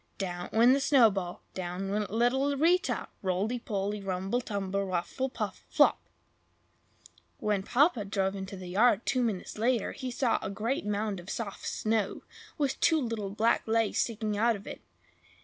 Down went the snowball! Down went little Rita! roly poly, rumble tumble, ruffle puffle, flop! When Papa drove into the yard, two minutes later, he saw a great mound of soft snow, with two little black legs sticking out of it.